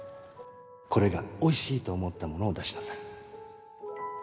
これがおいしいと思ったものを出しなさい。